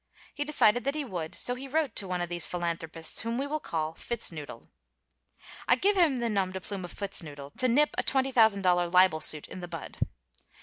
He decided that he would, so he wrote to one of these philanthropists whom we will call Fitznoodle. I give him the nom de plume of Fitznoodle to nip a $20,000 libel suit in the bud.